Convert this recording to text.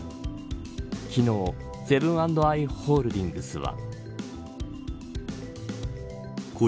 昨日セブン＆アイホールディングスは。